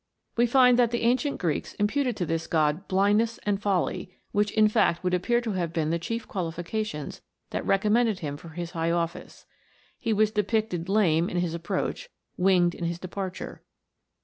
We find that the ancient Greeks imputed to this god blindness and folly, which in fact would appear to have been the chief qualifications that recommended him for his high office. He was depicted lame in his approach, winged in his departure.